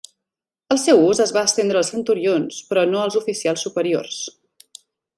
El seu ús es va estendre als centurions però no als oficials superiors.